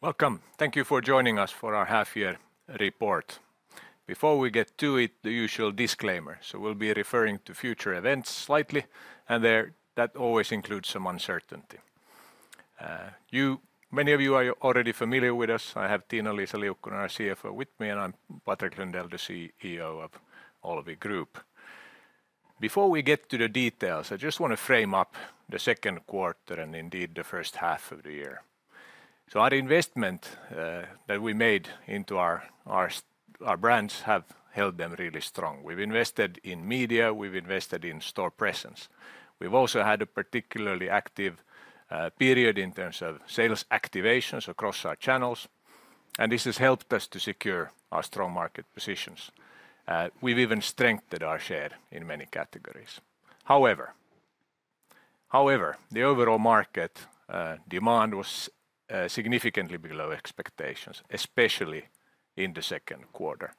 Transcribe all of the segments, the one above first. Welcome. Thank you for joining us for our half-year report. Before we get to it, the usual disclaimer. We will be referring to future events slightly, and that always includes some uncertainty. Many of you are already familiar with us. I have Tiina-Liisa Liukkonen, our CFO, with me, and I'm Patrik Lundell, the CEO of Olvi Group. Before we get to the details, I just want to frame up the second quarter and indeed the first half of the year. Our investments that we made into our brands have held them really strong. We've invested in media, we've invested in store presence. We've also had a particularly active period in terms of sales activations across our channels, and this has helped us to secure our strong market positions. We've even strengthened our share in many categories. However, the overall market demand was significantly below expectations, especially in the second quarter.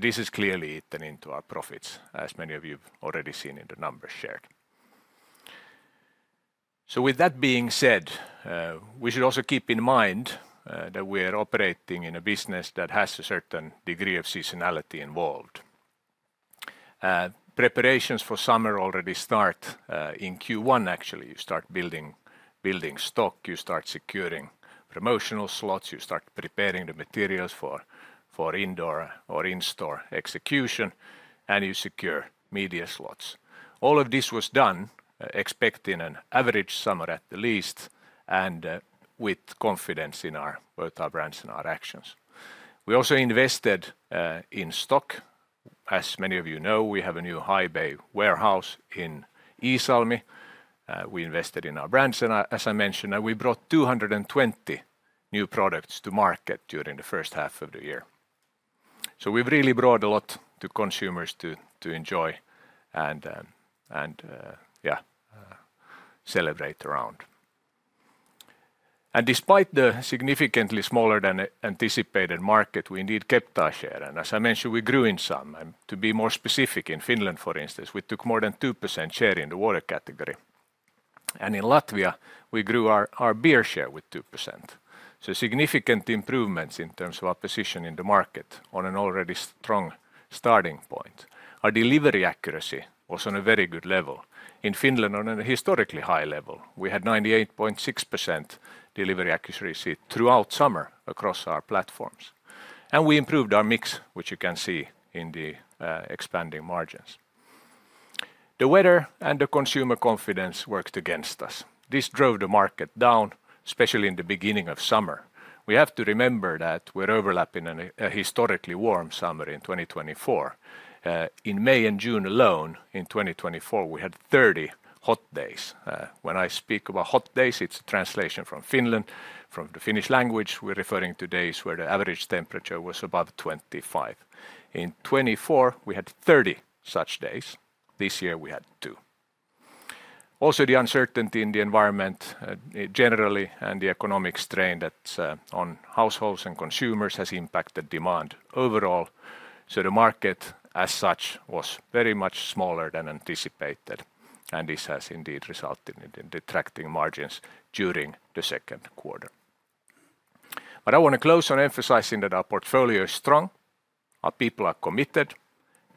This has clearly eaten into our profits, as many of you have already seen in the numbers shared. We should also keep in mind that we are operating in a business that has a certain degree of seasonality involved. Preparations for summer already start in Q1. You start building stock, you start securing promotional slots, you start preparing the materials for indoor or in-store execution, and you secure media slots. All of this was done expecting an average summer at the least, and with confidence in both our brands and our actions. We also invested in stock. As many of you know, we have a new high-bay warehouse in Iisalmi. We invested in our brands, as I mentioned, and we brought 220 new products to market during the first half of the year. We've really brought a lot to consumers to enjoy and celebrate around. Despite the significantly smaller than anticipated market, we indeed kept our share. As I mentioned, we grew in some. To be more specific, in Finland, for instance, we took more than 2% share in the water category. In Latvia, we grew our beer share with 2%. Significant improvements in terms of our position in the market on an already strong starting point. Our delivery accuracy was on a very good level. In Finland, on a historically high level, we had 98.6% delivery accuracy throughout summer across our platforms. We improved our mix, which you can see in the expanding margins. The weather and the consumer confidence worked against us. This drove the market down, especially in the beginning of summer. We have to remember that we're overlapping a historically warm summer in 2024. In May and June alone in 2024, we had 30 hot days. When I speak about hot days, it's a translation from Finland, from the Finnish language. We're referring to days where the average temperature was above 25. In 2024, we had 30 such days. This year, we had two. Also, the uncertainty in the environment generally and the economic strain that's on households and consumers has impacted demand overall. The market, as such, was very much smaller than anticipated. This has indeed resulted in detracting margins during the second quarter. I want to close on emphasizing that our portfolio is strong. Our people are committed.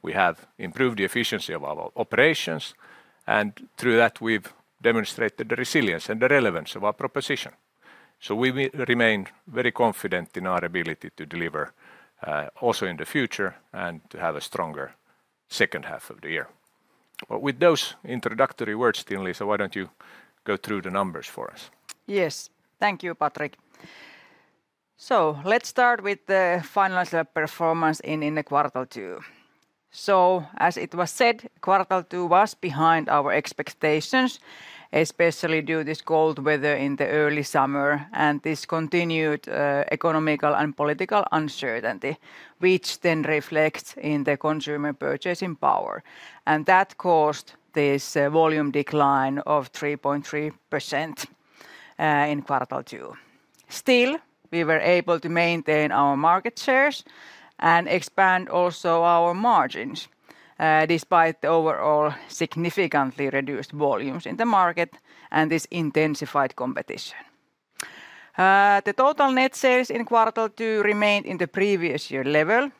We have improved the efficiency of our operations. Through that, we've demonstrated the resilience and the relevance of our proposition. We remain very confident in our ability to deliver also in the future and to have a stronger second half of the year. With those introductory words, Tiina-Liisa, why don't you go through the numbers for us? Yes, thank you, Patrik. Let's start with the financial performance in Q2. As it was said, Q2 was behind our expectations, especially due to this cold weather in the early summer and this continued economical and political uncertainty, which then reflects in the consumer purchasing power. That caused this volume decline of 3.3% in Q2. Still, we were able to maintain our market shares and expand also our margins, despite the overall significantly reduced volumes in the market and this intensified competition. The total net sales in Q2 remained at the previous year level,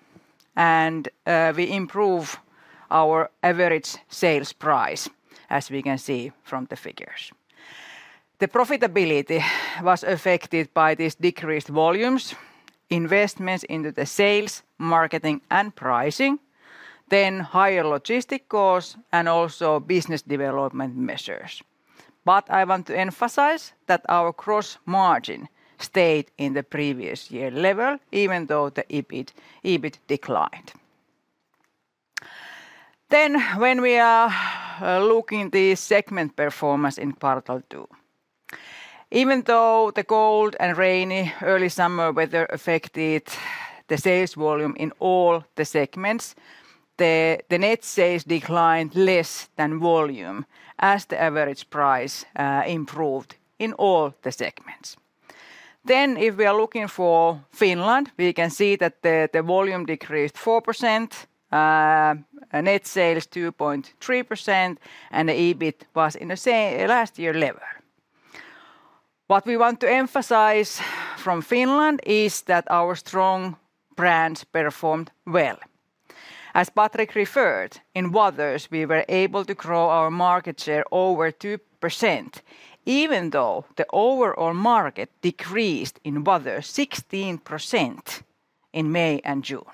and we improved our average sales price, as we can see from the figures. The profitability was affected by these decreased volumes, investments into the sales, marketing, and pricing, then higher logistic costs, and also business development measures. I want to emphasize that our gross margin stayed at the previous year level, even though the EBIT declined. When we look at the segment performance in Q2, even though the cold and rainy early summer weather affected the sales volume in all the segments, the net sales declined less than volume, as the average price improved in all the segments. If we are looking for Finland, we can see that the volume decreased 4%, net sales 2.3%, and the EBIT was at the last year level. What we want to emphasize from Finland is that our strong brands performed well. As Patrik referred, in waters, we were able to grow our market share over 2%, even though the overall market decreased in waters 16% in May and June.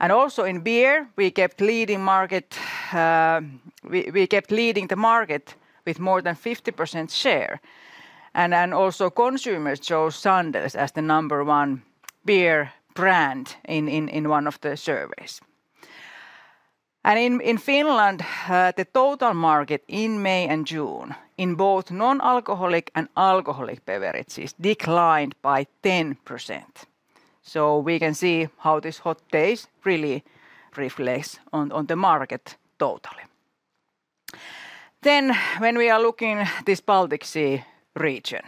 Also in beer, we kept leading the market with more than 50% share. Consumers chose Sanders as the number one beer brand in one of the surveys. In Finland, the total market in May and June in both non-alcoholic and alcoholic beverages declined by 10%. We can see how these hot days really reflect on the market totally. When we are looking at this Baltic Sea region,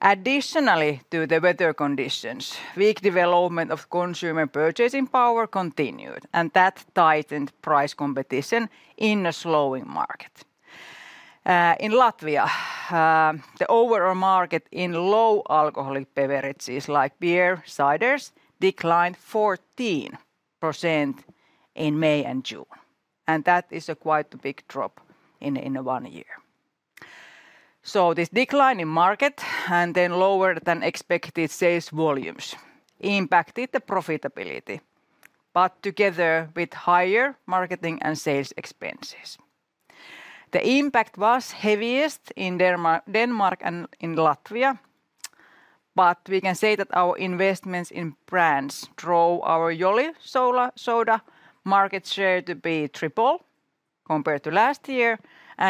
additionally to the weather conditions, weak development of consumer purchasing power continued, and that tightened price competition in a slowing market. In Latvia, the overall market in low alcoholic beverages, like beer, ciders, declined 14% in May and June. That is quite a big drop in one year. This declining market and then lower than expected sales volumes impacted the profitability, together with higher marketing and sales expenses. The impact was heaviest in Denmark and in Latvia, but we can say that our investments in brands drove our Joli soda market share to be triple compared to last year.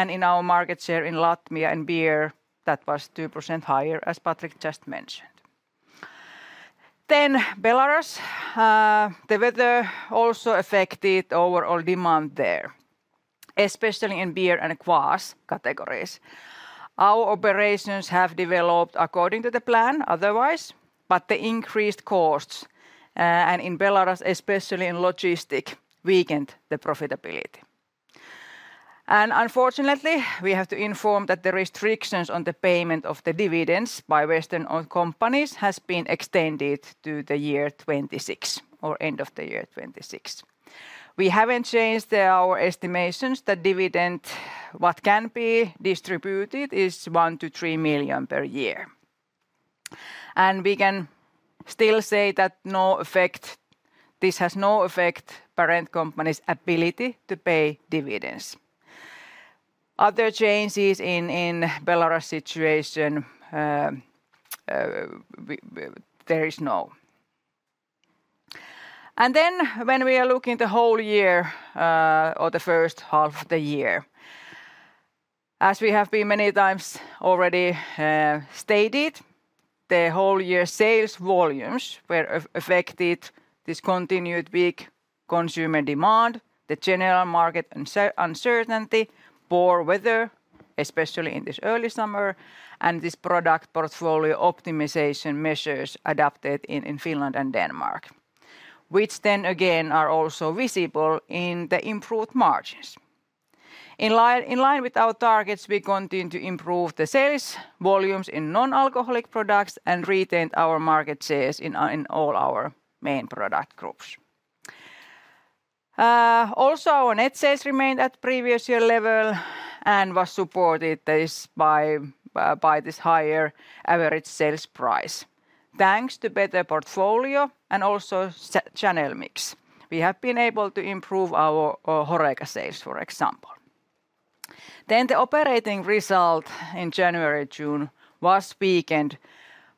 In our market share in Latvia in beer, that was 2% higher, as Patrik just mentioned. In Belarus, the weather also affected overall demand there, especially in beer and kvass categories. Our operations have developed according to the plan otherwise, but the increased costs, and in Belarus, especially in logistics, weakened the profitability. Unfortunately, we have to inform that the restrictions on the payment of the dividends by Western-owned companies have been extended to the year 2026 or end of the year 2026. We haven't changed our estimations that dividend what can be distributed is 1 million-3 million per year. We can still say that this has no effect on parent company's ability to pay dividends. Other changes in Belarus' situation, there are none. When we are looking at the whole year or the first half of the year, as we have been many times already stated, the whole year sales volumes were affected. This continued big consumer demand, the general market uncertainty, poor weather, especially in this early summer, and this product portfolio optimization measures adopted in Finland and Denmark, which then again are also visible in the improved margins. In line with our targets, we continue to improve the sales volumes in non-alcoholic products and retain our market shares in all our main product groups. Also, our net sales remained at the previous year level and were supported by this higher average sales price. Thanks to better portfolio and also channel mix, we have been able to improve our Horeca sales, for example. The operating result in January and June was weakened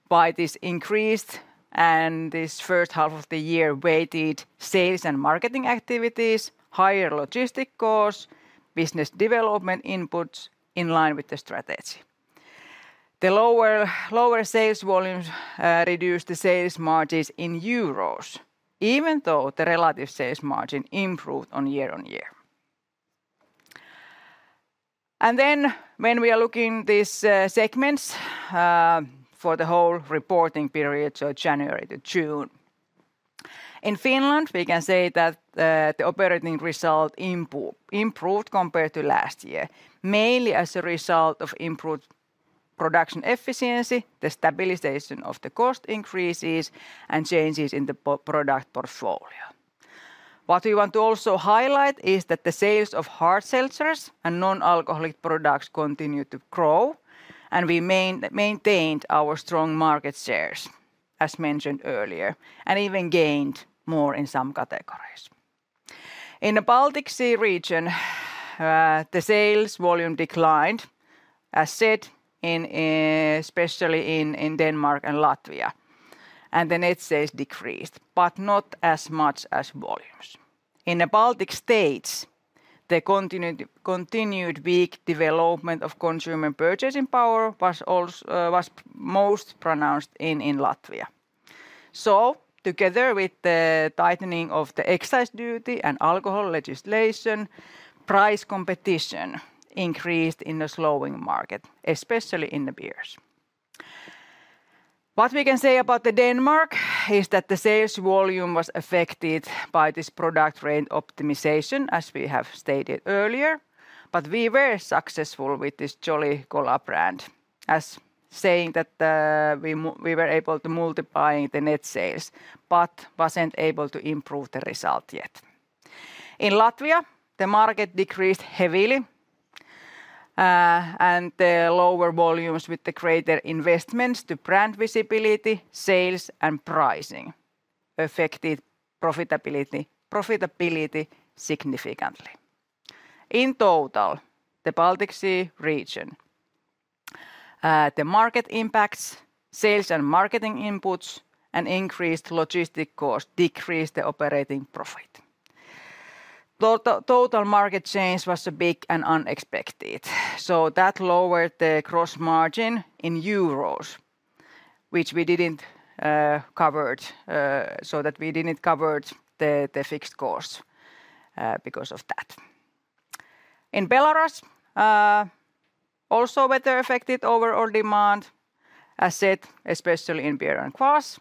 by this increased and this first half of the year weighted sales and marketing activities, higher logistic costs, business development inputs in line with the strategy. The lower sales volumes reduced the sales margins in euros, even though the relative sales margin improved year-on-year. When we are looking at these segments for the whole reporting period, so January to June, in Finland, we can say that the operating result improved compared to last year, mainly as a result of improved production efficiency, the stabilization of the cost increases, and changes in the product portfolio. What we want to also highlight is that the sales of hard seltzers and non-alcoholic products continue to grow, and we maintained our strong market shares, as mentioned earlier, and even gained more in some categories. In the Baltic Sea region, the sales volume declined, as said, especially in Denmark and Latvia, and the net sales decreased, but not as much as volumes. In the Baltic states, the continued weak development of consumer purchasing power was most pronounced in Latvia. Together with the tightening of the excise duty and alcohol legislation, price competition increased in the slowing market, especially in the beers. What we can say about Denmark is that the sales volume was affected by this product range optimization, as we have stated earlier, but we were successful with this Joli Cola brand, as saying that we were able to multiply the net sales, but weren't able to improve the result yet. In Latvia, the market decreased heavily, and the lower volumes with the greater investments to brand visibility, sales, and pricing affected profitability significantly. In total, the Baltic Sea region, the market impacts, sales and marketing inputs, and increased logistic costs decreased the operating profit. Total market change was big and unexpected. That lowered the gross margin in euros, which we didn't cover, so that we didn't cover the fixed costs because of that. In Belarus, also weather affected overall demand, as said, especially in beer and kvass,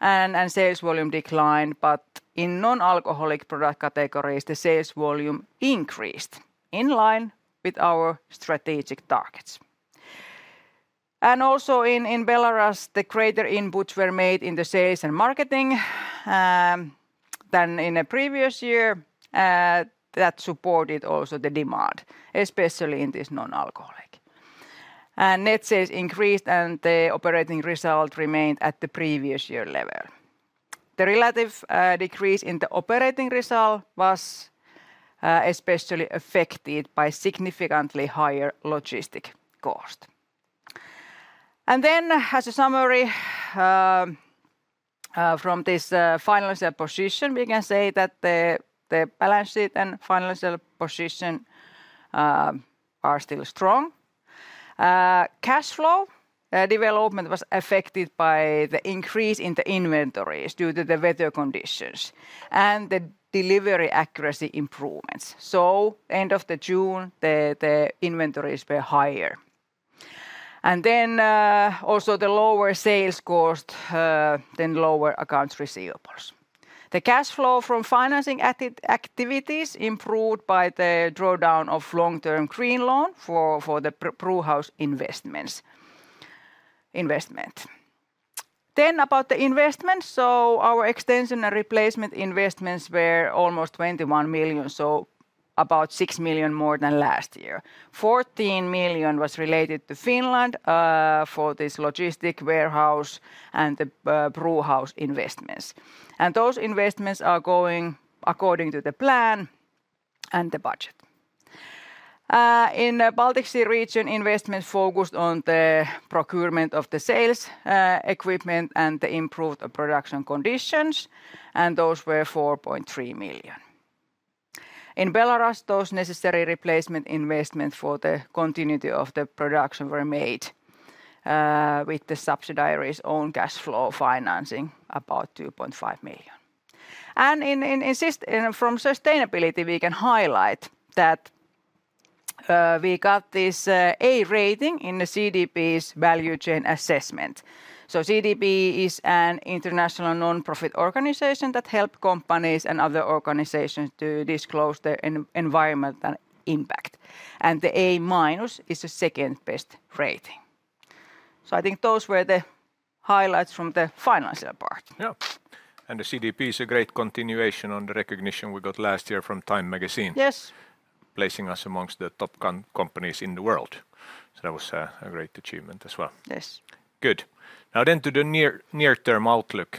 and sales volume declined, but in non-alcoholic product categories, the sales volume increased in line with our strategic targets. Also in Belarus, the greater inputs were made in the sales and marketing than in the previous year. That supported also the demand, especially in this non-alcoholic. Net sales increased, and the operating result remained at the previous year level. The relative decrease in the operating result was especially affected by significantly higher logistic costs. As a summary from this financial position, we can say that the balance sheet and financial position are still strong. Cash flow development was affected by the increase in the inventories due to the weather conditions and the delivery accuracy improvements. At the end of June, the inventories were higher. Also, the lower sales costs than lower accounts receivables. The cash flow from financing activities improved by the drawdown of long-term green loan for the brewhouse investment. Regarding the investments, our extension and replacement investments were almost 21 million, about 6 million more than last year. 14 million was related to Finland for this logistic warehouse and the brewhouse investments. Those investments are going according to the plan and the budget. In the Baltic Sea region, investments focused on the procurement of the sales equipment and the improved production conditions, and those were 4.3 million. In Belarus, necessary replacement investments for the continuity of the production were made with the subsidiaries' own cash flow financing, about 2.5 million. From sustainability, we can highlight that we got this A- rating in the CDP's value chain assessment. CDP is an international non-profit organization that helps companies and other organizations to disclose their environmental impact. The A- is the second best rating. I think those were the highlights from the financial part. Yeah. The CDP is a great continuation on the recognition we got last year from Time Magazine. Yes. Placing us amongst the top companies in the world, that was a great achievement as well. Yes. Good. Now then to the near-term outlook.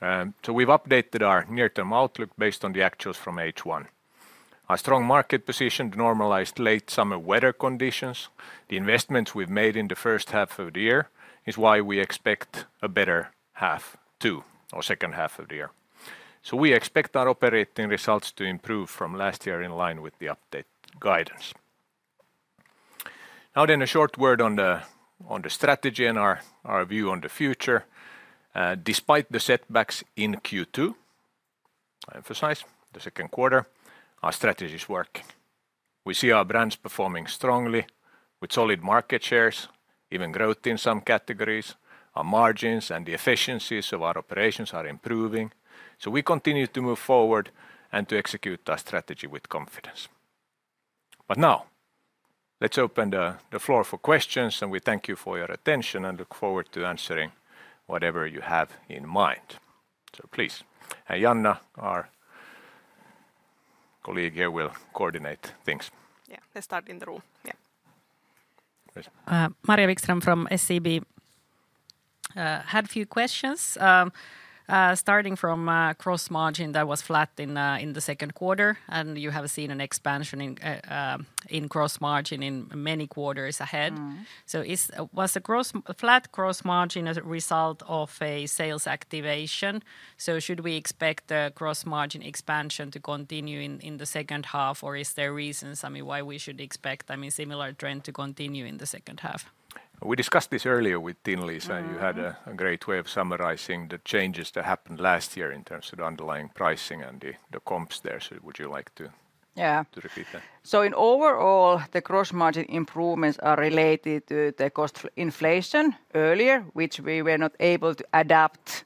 We've updated our near-term outlook based on the actuals from H1. Our strong market position, normalized late summer weather conditions, and the investments we've made in the first half of the year is why we expect a better half, two, or second half of the year. We expect our operating results to improve from last year in line with the updated guidance. Now a short word on the strategy and our view on the future. Despite the setbacks in Q2, I emphasize the second quarter, our strategy is working. We see our brands performing strongly with solid market shares, even growth in some categories. Our margins and the efficiencies of our operations are improving. We continue to move forward and to execute our strategy with confidence. Now, let's open the floor for questions, and we thank you for your attention and look forward to answering whatever you have in mind. Please, Janna, our colleague here, will coordinate things. Let's start in the room. Maria Vikström from SEB had a few questions, starting from a gross margin that was flat in the second quarter, and you have seen an expansion in gross margin in many quarters ahead. Was the flat gross margin a result of a sales activation? Should we expect the gross margin expansion to continue in the second half, or is there a reason why we should expect a similar trend to continue in the second half? We discussed this earlier with Tiina-Liisa. You had a great way of summarizing the changes that happened last year in terms of the underlying pricing and the comps there. Would you like to repeat that? Yeah. In overall, the gross margin improvements are related to the cost of inflation earlier, which we were not able to adapt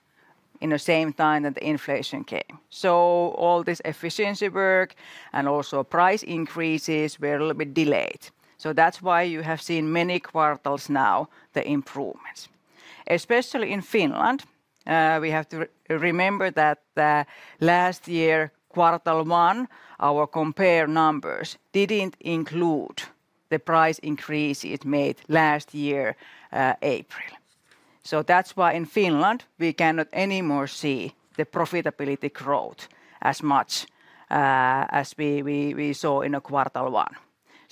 in the same time that the inflation came. All this efficiency work and also price increases were a little bit delayed. That's why you have seen many quarters now, the improvements. Especially in Finland, we have to remember that last year, quarter one, our compare numbers didn't include the price increases made last year, April. That's why in Finland, we cannot anymore see the profitability growth as much as we saw in quarter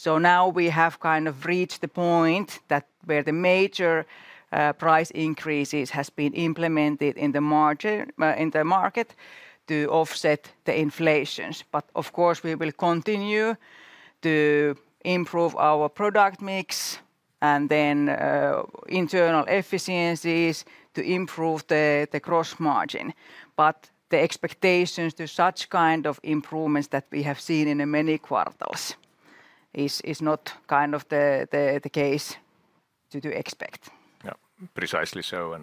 one. Now we have kind of reached the point where the major price increases have been implemented in the market to offset the inflations. Of course, we will continue to improve our product mix and then internal efficiencies to improve the gross margin. The expectations to such kind of improvements that we have seen in many quarters is not kind of the case to expect. Yeah, precisely so.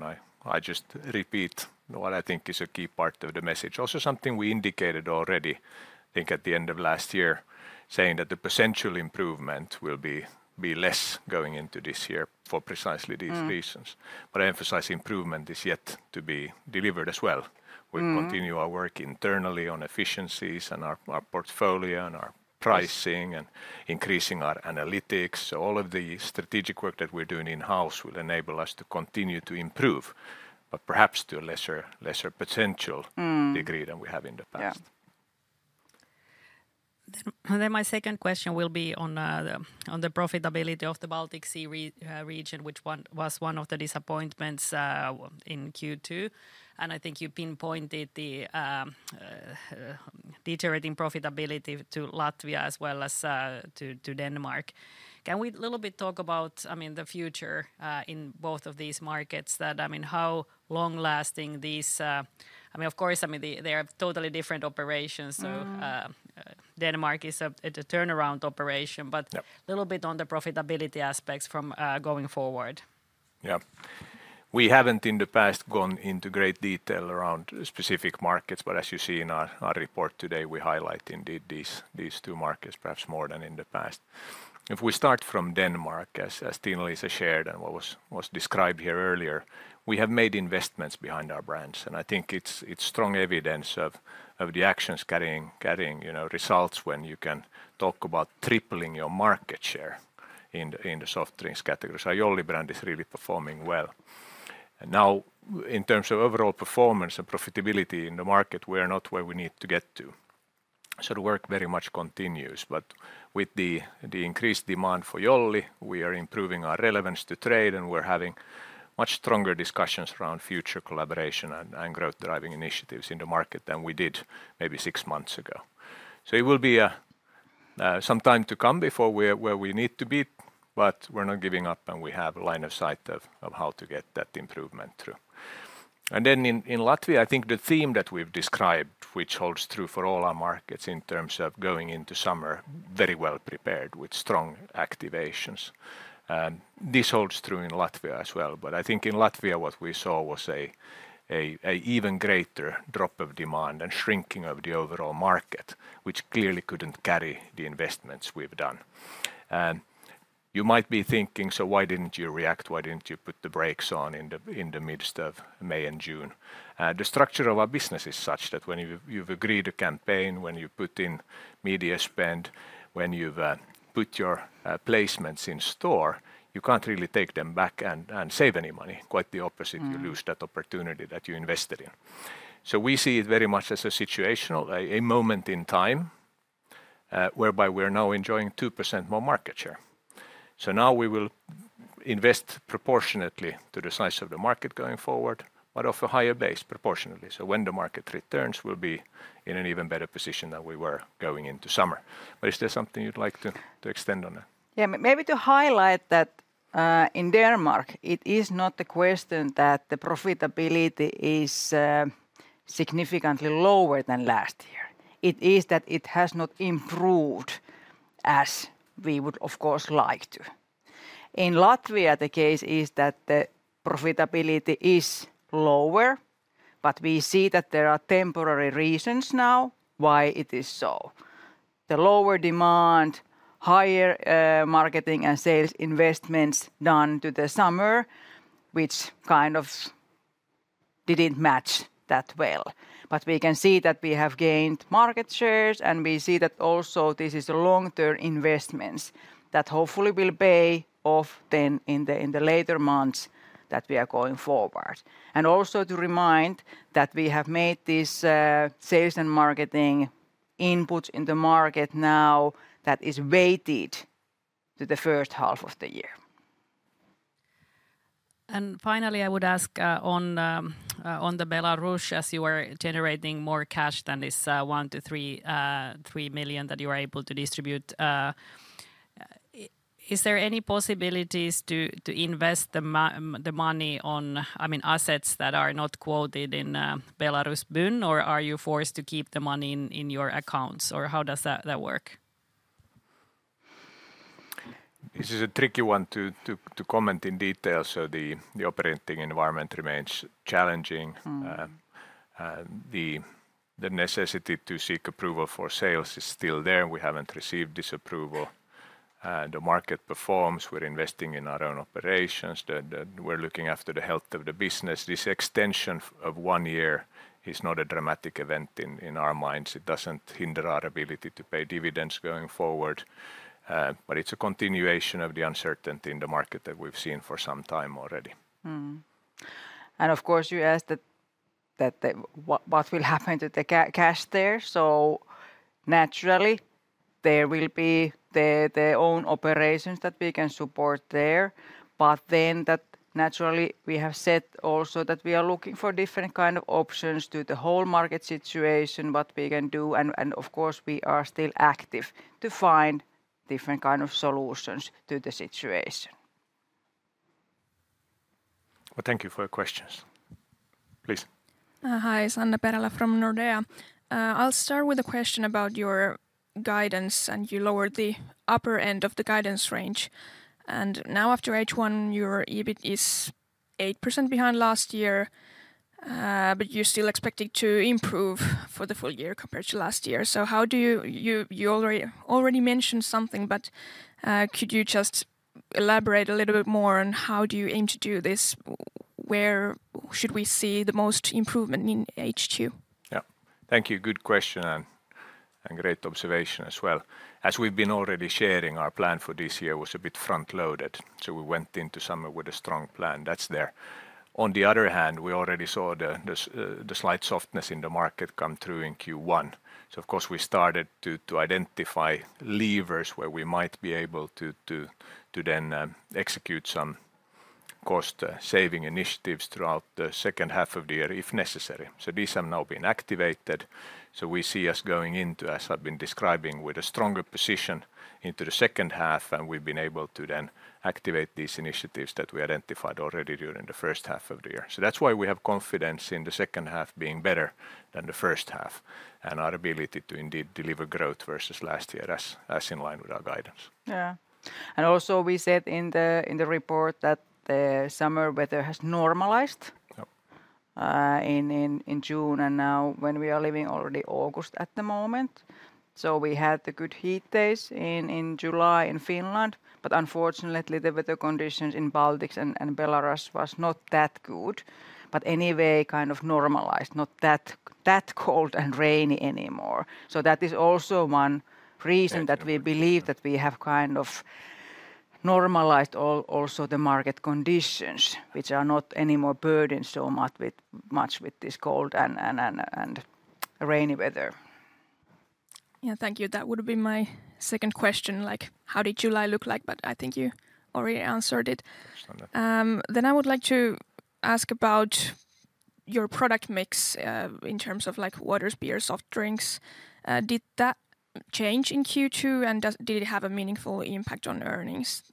I just repeat what I think is a key part of the message. Also, something we indicated already, I think at the end of last year, saying that the % improvement will be less going into this year for precisely these reasons. I emphasize improvement is yet to be delivered as well. We'll continue our work internally on efficiencies and our portfolio and our pricing and increasing our analytics. All of the strategic work that we're doing in-house will enable us to continue to improve, but perhaps to a lesser potential degree than we have in the past. My second question will be on the profitability of the Baltic Sea region, which was one of the disappointments in Q2. I think you pinpointed the deteriorating profitability to Latvia as well as to Denmark. Can we talk a little bit about the future in both of these markets? I mean, how long-lasting are these? Of course, they are totally different operations. Denmark is a turnaround operation, but a little bit on the profitability aspects going forward. Yeah. We haven't in the past gone into great detail around specific markets, but as you see in our report today, we highlight indeed these two markets, perhaps more than in the past. If we start from Denmark, as Tiina-Liisa shared and what was described here earlier, we have made investments behind our brands. I think it's strong evidence of the actions carrying results when you can talk about tripling your market share in the soft drinks category. Our Joli brand is really performing well. In terms of overall performance and profitability in the market, we are not where we need to get to. The work very much continues. With the increased demand for Joli, we are improving our relevance to trade, and we're having much stronger discussions around future collaboration and growth-driving initiatives in the market than we did maybe six months ago. It will be some time to come before we are where we need to be, but we're not giving up, and we have a line of sight of how to get that improvement through. In Latvia, I think the theme that we've described, which holds true for all our markets in terms of going into summer very well prepared with strong activations, holds true in Latvia as well. In Latvia, what we saw was an even greater drop of demand and shrinking of the overall market, which clearly couldn't carry the investments we've done. You might be thinking, why didn't you react? Why didn't you put the brakes on in the midst of May and June? The structure of our business is such that when you've agreed to a campaign, when you put in media spend, when you've put your placements in store, you can't really take them back and save any money. Quite the opposite. You lose that opportunity that you invested in. We see it very much as a situational moment in time whereby we are now enjoying 2% more market share. Now we will invest proportionately to the size of the market going forward, but of a higher base proportionately. When the market returns, we'll be in an even better position than we were going into summer. Is there something you'd like to extend on that? Maybe to highlight that in Denmark, it is not a question that the profitability is significantly lower than last year. It is that it has not improved as we would, of course, like to. In Latvia, the case is that the profitability is lower, but we see that there are temporary reasons now why it is so. The lower demand, higher marketing and sales investments done to the summer, which kind of didn't match that well. We can see that we have gained market shares, and we see that also this is a long-term investment that hopefully will pay off in the later months that we are going forward. Also, to remind that we have made these sales and marketing inputs in the market now that is weighted to the first half of the year. Finally, I would ask on Belarus, as you were generating more cash than this 1million -3million that you were able to distribute, is there any possibility to invest the money in assets that are not quoted in Belarus BUN, or are you forced to keep the money in your accounts, or how does that work? This is a tricky one to comment in detail. The operating environment remains challenging. The necessity to seek approval for sales is still there. We haven't received this approval. The market performs. We're investing in our own operations. We're looking after the health of the business. This extension of one year is not a dramatic event in our minds. It doesn't hinder our ability to pay dividends going forward. It's a continuation of the uncertainty in the market that we've seen for some time already. You asked what will happen to the cash there. Naturally, there will be their own operations that we can support there. We have said also that we are looking for different kinds of options to the whole market situation, what we can do. We are still active to find different kinds of solutions to the situation. Thank you for your questions. Please. Hi, Sanna Perälä from Nordea. I'll start with a question about your guidance. You lowered the upper end of the guidance range. Now, after H1, your EBITDA is 8% behind last year, but you're still expected to improve for the full year compared to last year. You already mentioned something, but could you just elaborate a little bit more on how you aim to do this? Where should we see the most improvement in H2? Yeah, thank you. Good question and great observation as well. As we've been already sharing, our plan for this year was a bit front-loaded. We went into summer with a strong plan that's there. On the other hand, we already saw the slight softness in the market come through in Q1. Of course, we started to identify levers where we might be able to then execute some cost-saving initiatives throughout the second half of the year if necessary. These have now been activated. We see us going into, as I've been describing, with a stronger position into the second half, and we've been able to then activate these initiatives that we identified already during the first half of the year. That's why we have confidence in the second half being better than the first half and our ability to indeed deliver growth versus last year, as in line with our guidance. Yeah. We said in the report that the summer weather has normalized in June, and now when we are living already August at the moment. We had the good heat days in July in Finland, but unfortunately, the weather conditions in the Baltics and Belarus were not that good. Anyway, kind of normalized, not that cold and rainy anymore. That is also one reason that we believe that we have kind of normalized also the market conditions, which are not any more burdened so much with this cold and rainy weather. Thank you. That would have been my second question. How did July look like? I think you already answered it. I would like to ask about your product mix in terms of waters, beer, soft drinks. Did that change in Q2, and did it have a meaningful impact on earnings?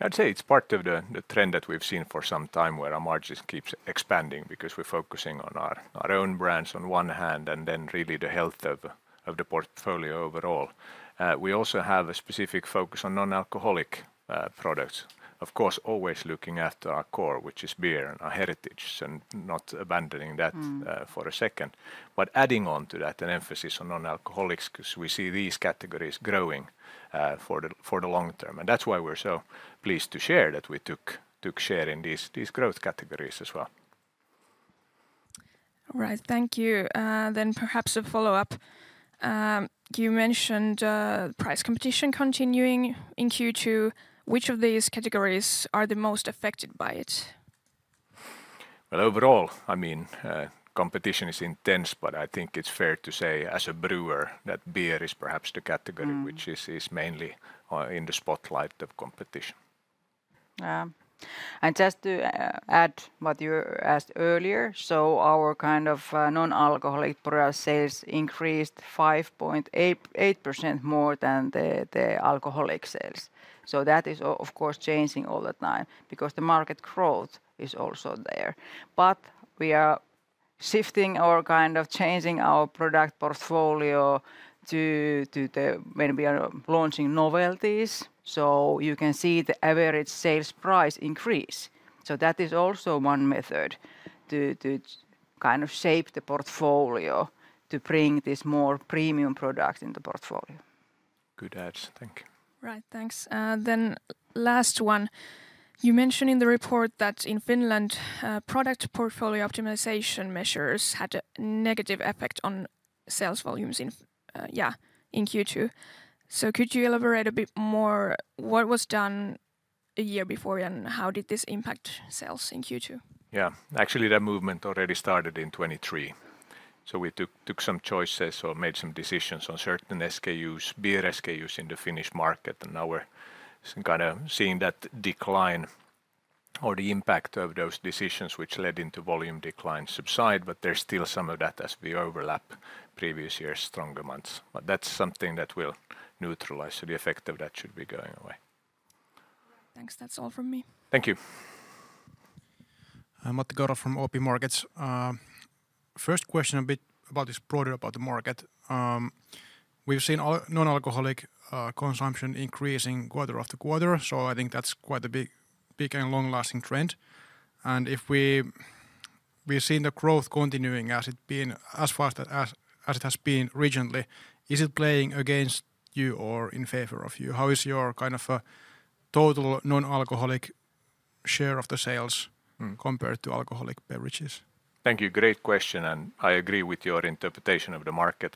I'd say it's part of the trend that we've seen for some time, where our margin keeps expanding because we're focusing on our own brands on one hand, and then really the health of the portfolio overall. We also have a specific focus on non-alcoholic products. Of course, always looking after our core, which is beer and our heritage, and not abandoning that for a second, but adding on to that, an emphasis on non-alcoholics because we see these categories growing for the long term. That's why we're so pleased to share that we took share in these growth categories as well. All right, thank you. Perhaps a follow-up. You mentioned price competition continuing in Q2. Which of these categories are the most affected by it? Overall, I mean, competition is intense, but I think it's fair to say as a brewer that beer is perhaps the category which is mainly in the spotlight of competition. Yeah. Just to add what you asked earlier, our kind of non-alcoholic product sales increased 5.8% more than the alcoholic sales. That is, of course, changing all the time because the market growth is also there. We are shifting or kind of changing our product portfolio to when we are launching novelties. You can see the average sales price increase. That is also one method to kind of shape the portfolio to bring these more premium products in the portfolio. Good adds. Thank you. Right, thanks. The last one. You mentioned in the report that in Finland, product portfolio optimization measures had a negative effect on sales volumes in Q2. Could you elaborate a bit more? What was done a year before and how did this impact sales in Q2? Actually, that movement already started in 2023. We took some choices or made some decisions on certain beer SKUs in the Finnish market. Now we're kind of seeing that decline or the impact of those decisions which led into volume decline subside, but there's still some of that as we overlap previous years, stronger months. That's something that will neutralize. The effect of that should be going away. Thanks. That's all from me. Thank you. Matti Kara from OP Markets. First question, a bit broader about the market. We've seen non-alcoholic consumption increasing quarter after quarter. I think that's quite a big and long-lasting trend. If we've seen the growth continuing as it's been as fast as it has been recently, is it playing against you or in favor of you? How is your kind of a total non-alcoholic share of the sales compared to alcoholic beverages? Thank you. Great question. I agree with your interpretation of the market.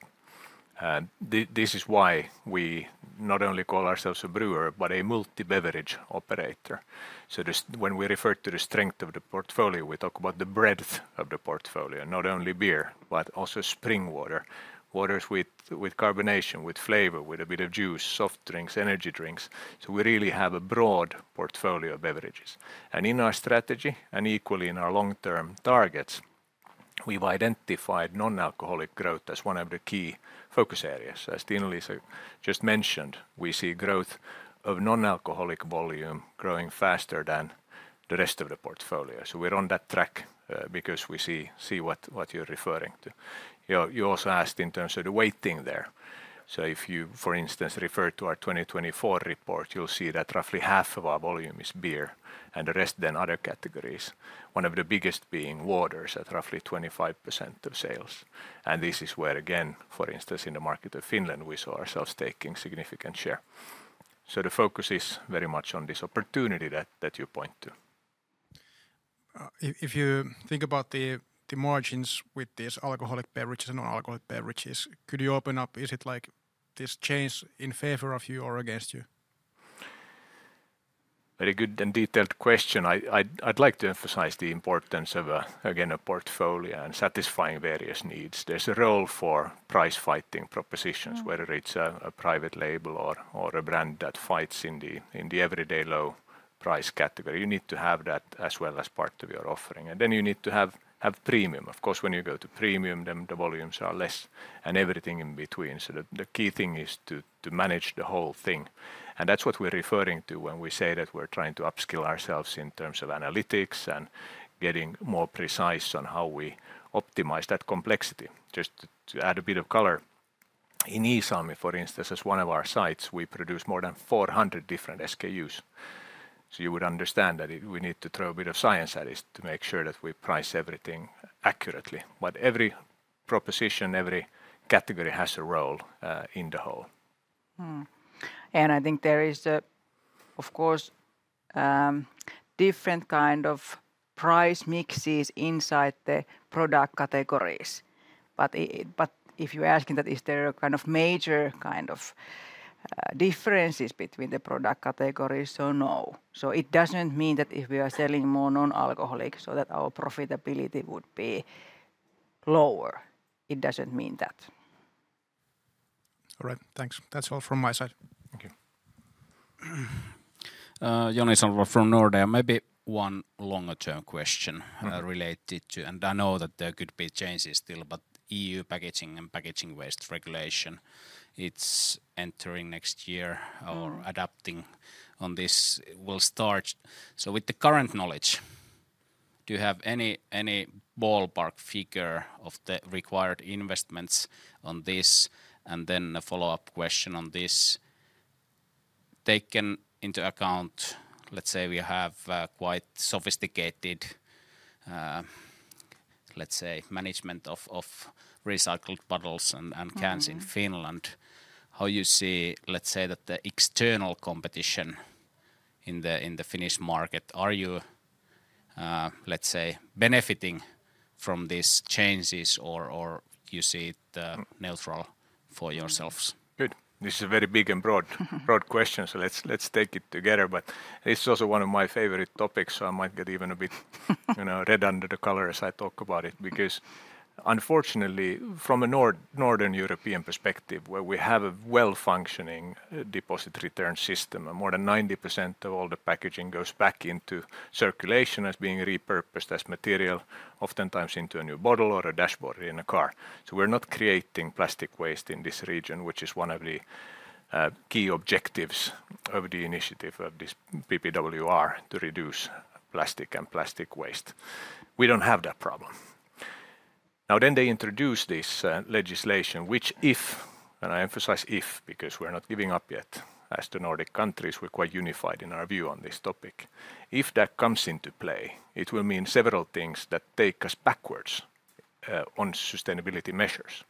This is why we not only call ourselves a brewer, but a multi-beverage operator. When we refer to the strength of the portfolio, we talk about the breadth of the portfolio, not only beer, but also spring water, waters with carbonation, with flavor, with a bit of juice, soft drinks, energy drinks. We really have a broad portfolio of beverages. In our strategy, and equally in our long-term targets, we've identified non-alcoholic growth as one of the key focus areas. As Tiina-Liisa just mentioned, we see growth of non-alcoholic volume growing faster than the rest of the portfolio. We're on that track because we see what you're referring to. You also asked in terms of the weighting there. If you, for instance, refer to our 2024 report, you'll see that roughly half of our volume is beer and the rest then other categories. One of the biggest being waters at roughly 25% of sales. This is where, again, for instance, in the market of Finland, we saw ourselves taking significant share. The focus is very much on this opportunity that you point to. If you think about the margins with these alcoholic beverages and non-alcoholic beverages, could you open up? Is it like this change in favor of you or against you? Very good and detailed question. I'd like to emphasize the importance of, again, a portfolio and satisfying various needs. There's a role for price-fighting propositions, whether it's a private label or a brand that fights in the everyday low-price category. You need to have that as well as part of your offering. You need to have premium. Of course, when you go to premium, the volumes are less and everything in between. The key thing is to manage the whole thing. That's what we're referring to when we say that we're trying to upskill ourselves in terms of analytics and getting more precise on how we optimize that complexity. Just to add a bit of color, in Iisalmi, for instance, as one of our sites, we produce more than 400 different SKUs. You would understand that we need to throw a bit of science at it to make sure that we price everything accurately. Every proposition, every category has a role in the whole. There is, of course, different kinds of price mixes inside the product categories. If you're asking if there are major differences between the product categories, no. It doesn't mean that if we are selling more non-alcoholic, our profitability would be lower. It doesn't mean that. All right, thanks. That's all from my side. Thank you. Johnny Salva from Nordea. Maybe one longer-term question related to, and I know that there could be changes still, but EU packaging and packaging waste regulation, it's entering next year. Adapting on this will start. With the current knowledge, do you have any ballpark figure of the required investments on this? A follow-up question on this. Taken into account, let's say we have quite sophisticated, let's say, management of recycled bottles and cans in Finland. How do you see, let's say, that the external competition in the Finnish market? Are you, let's say, benefiting from these changes or do you see it neutral for yourselves? Good. This is a very big and broad question, so let's take it together. It's also one of my favorite topics, so I might get even a bit, you know, red under the collar as I talk about it because unfortunately, from a Northern European perspective, where we have a well-functioning deposit return system, more than 90% of all the packaging goes back into circulation as being repurposed as material, oftentimes into a new bottle or a dashboard in a car. We're not creating plastic waste in this region, which is one of the key objectives of the initiative of this PPWR to reduce plastic and plastic waste. We don't have that problem. Now, they introduce this legislation, which if, and I emphasize if, because we're not giving up yet, as to Nordic countries, we're quite unified in our view on this topic. If that comes into play, it will mean several things that take us backwards on sustainability measures.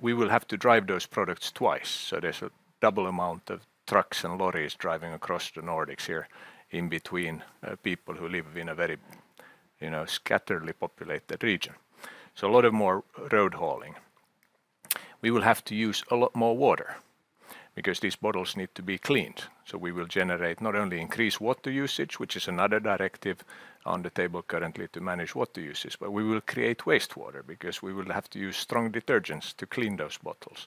We will have to drive those products twice. There's a double amount of trucks and lorries driving across the Nordics here in between people who live in a very, you know, scatterly populated region. A lot of more road hauling. We will have to use a lot more water because these bottles need to be cleaned. We will generate not only increased water usage, which is another directive on the table currently to manage water usage, but we will create wastewater because we will have to use strong detergents to clean those bottles.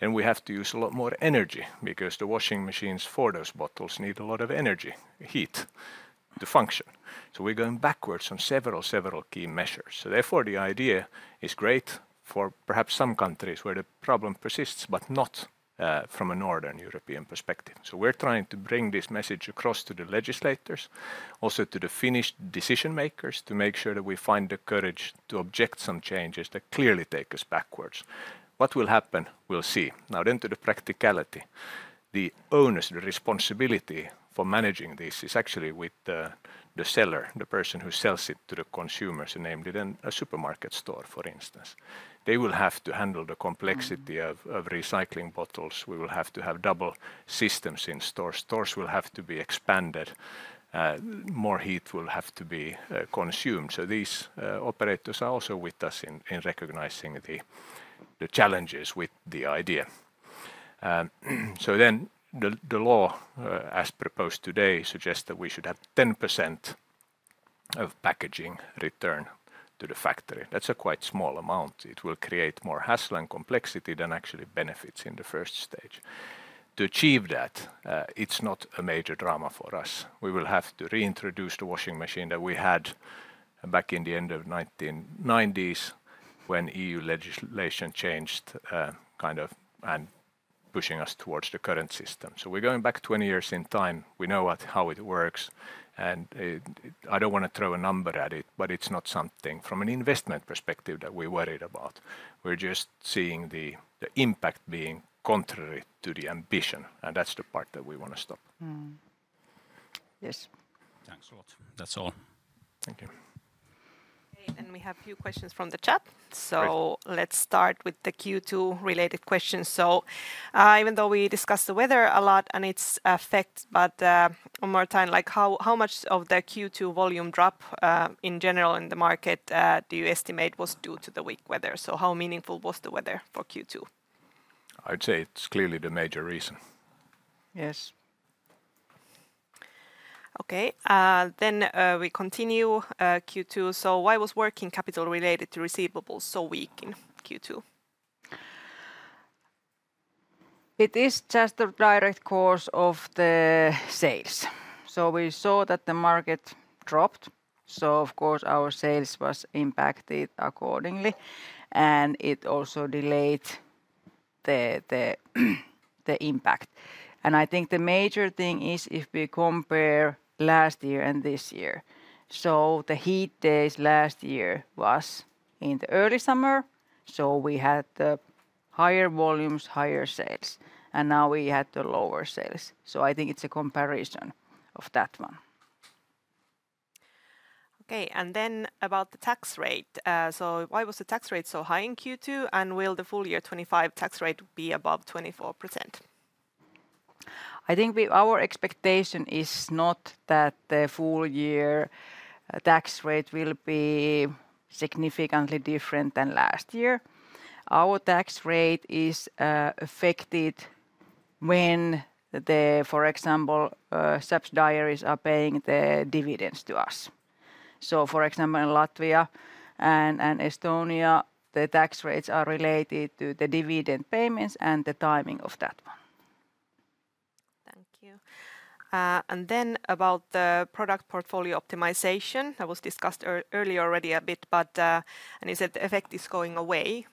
We have to use a lot more energy because the washing machines for those bottles need a lot of energy, heat, to function. We're going backwards on several, several key measures. Therefore, the idea is great for perhaps some countries where the problem persists, but not from a Northern European perspective. We're trying to bring this message across to the legislators, also to the Finnish decision makers, to make sure that we find the courage to object to some changes that clearly take us backwards. What will happen? We'll see. Now, to the practicality, the owners, the responsibility for managing this is actually with the seller, the person who sells it to the consumers, named in a supermarket store, for instance. They will have to handle the complexity of recycling bottles. We will have to have double systems in stores. Stores will have to be expanded. More heat will have to be consumed. These operators are also with us in recognizing the challenges with the idea. The law, as proposed today, suggests that we should have 10% of packaging return to the factory. That's a quite small amount. It will create more hassle and complexity than actually benefits in the first stage. To achieve that, it's not a major drama for us. We will have to reintroduce the washing machine that we had back in the end of the 1990s when EU legislation changed and pushed us towards the current system. We're going back 20 years in time. We know how it works. I don't want to throw a number at it, but it's not something from an investment perspective that we're worried about. We're just seeing the impact being contrary to the ambition. That's the part that we want to stop. Yes. Thanks a lot. That's all. Thank you. Great. We have a few questions from the chat. Let's start with the Q2 related questions. Even though we discussed the weather a lot and its effect, one more time, how much of the Q2 volume drop in general in the market do you estimate was due to the weak weather? How meaningful was the weather for Q2? I'd say it's clearly the major reason. Yes. OK. We continue Q2. Why was working capital related to receivables so weak in Q2? It is just a direct cause of the sales. We saw that the market dropped, so our sales were impacted accordingly. It also delayed the impact. I think the major thing is if we compare last year and this year. The heat days last year were in the early summer, so we had the higher volumes, higher sales. Now we had the lower sales. I think it's a comparison of that one. OK. About the tax rate, why was the tax rate so high in Q2? Will the full year 2025 tax rate be above 24%? I think our expectation is not that the full year tax rate will be significantly different than last year. Our tax rate is affected when, for example, subsidiaries are paying the dividends to us. For example, in Latvia and Estonia, the tax rates are related to the dividend payments and the timing of that one. Thank you. About the product portfolio optimization, that was discussed earlier already a bit, and you said the effect is going away.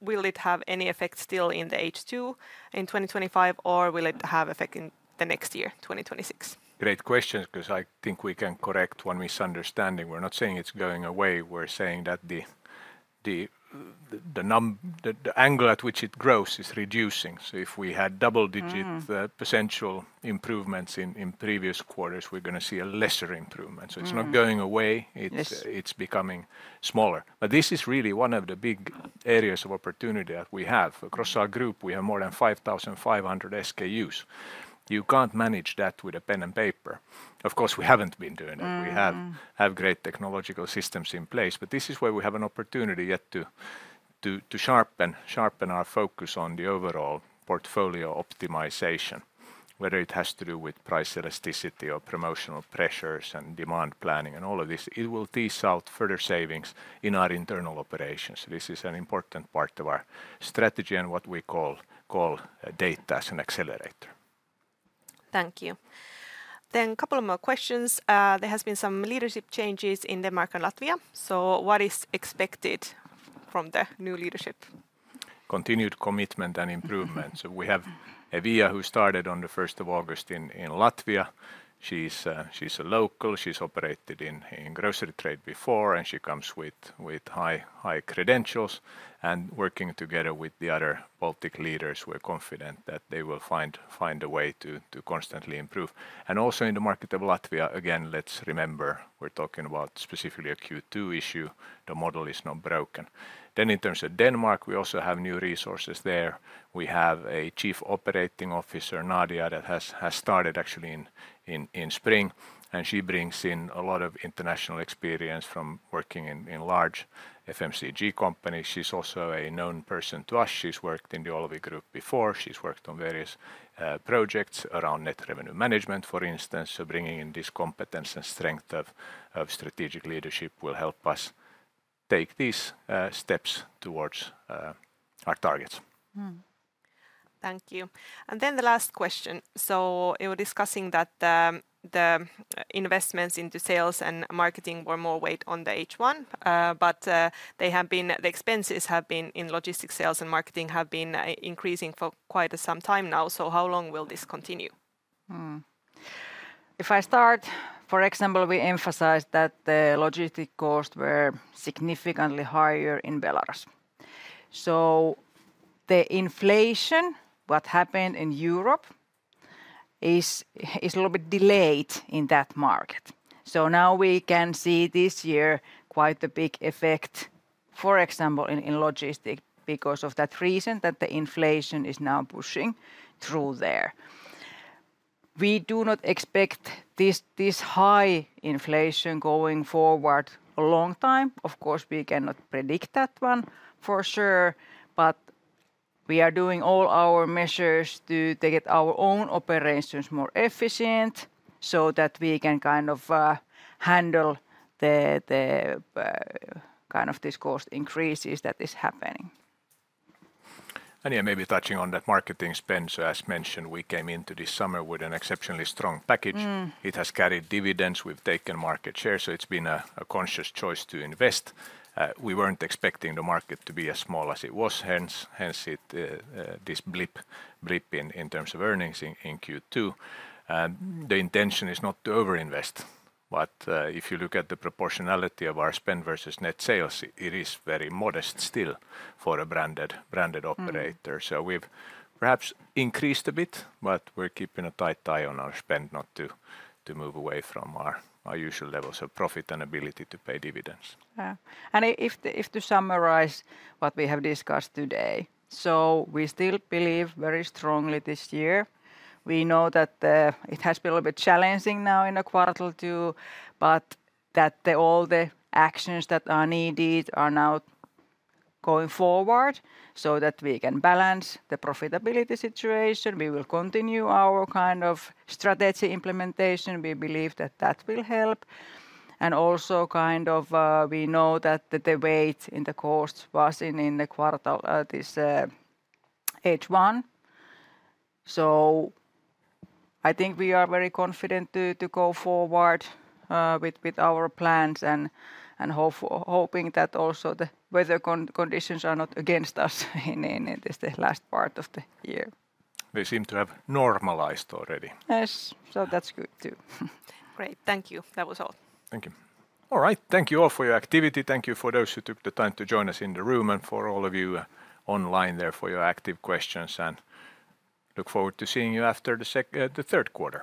Will it have any effect still in the H2 in 2025, or will it have effect in the next year, 2026? Great question, because I think we can correct one misunderstanding. We're not saying it's going away. We're saying that the angle at which it grows is reducing. If we had double-digit % improvements in previous quarters, we're going to see a lesser improvement. It's not going away. It's becoming smaller. This is really one of the big areas of opportunity that we have. Across our group, we have more than 5,500 SKUs. You can't manage that with a pen and paper. Of course, we haven't been doing it. We have great technological systems in place. This is where we have an opportunity yet to sharpen our focus on the overall portfolio optimization, whether it has to do with price elasticity or promotional pressures and demand planning and all of this. It will tease out further savings in our internal operations. This is an important part of our strategy and what we call data as an accelerator. Thank you. A couple of more questions. There have been some leadership changes in Denmark and Latvia. What is expected from the new leadership? Continued commitment and improvement. We have Evija, who started on the 1st of August in Latvia. She's a local. She's operated in grocery trade before, and she comes with high credentials. Working together with the other Baltic leaders, we're confident that they will find a way to constantly improve. Also, in the market of Latvia, let's remember we're talking about specifically a Q2 issue. The model is not broken. In terms of Denmark, we also have new resources there. We have a Chief Operating Officer, Nadia, that has started actually in spring. She brings in a lot of international experience from working in large FMCG companies. She's also a known person to us. She's worked in the Olvi Group before. She's worked on various projects around net revenue management, for instance. Bringing in this competence and strength of strategic leadership will help us take these steps towards our targets. Thank you. The last question. You were discussing that the investments into sales and marketing were more weighted on the H1. The expenses have been in logistics, sales, and marketing and have been increasing for quite some time now. How long will this continue? If I start, for example, we emphasize that the logistic costs were significantly higher in Belarus. The inflation, what happened in Europe, is a little bit delayed in that market. Now we can see this year quite a big effect, for example, in logistics because of that reason that the inflation is now pushing through there. We do not expect this high inflation going forward a long time. Of course, we cannot predict that one for sure. We are doing all our measures to get our own operations more efficient so that we can kind of handle the kind of these cost increases that are happening. Maybe touching on that marketing spend. As mentioned, we came into this summer with an exceptionally strong package. It has carried dividends. We've taken market shares. It has been a conscious choice to invest. We weren't expecting the market to be as small as it was, hence this blip in terms of earnings in Q2. The intention is not to overinvest. If you look at the proportionality of our spend versus net sales, it is very modest still for a branded operator. We've perhaps increased a bit, but we're keeping a tight eye on our spend not to move away from our usual levels of profit and ability to pay dividends. To summarize what we have discussed today, we still believe very strongly this year. We know that it has been a little bit challenging now in a quarter or two, but all the actions that are needed are now going forward so that we can balance the profitability situation. We will continue our kind of strategy implementation. We believe that will help. We know that the weight in the cost was in the quarter of this H1. I think we are very confident to go forward with our plans and hoping that also the weather conditions are not against us in this last part of the year. They seem to have normalized already. Yes, that's good too. Great. Thank you. That was all. Thank you. All right. Thank you all for your activity. Thank you for those who took the time to join us in the room and for all of you online for your active questions. I look forward to seeing you after the third quarter.